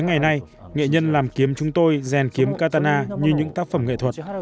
ngày nay nghệ nhân làm kiếm chúng tôi rèn kiếm katana như những tác phẩm nghệ thuật